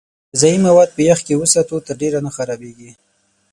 که غذايي مواد په يخ کې وساتو، تر ډېره نه خرابېږي.